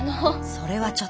それはちょっと。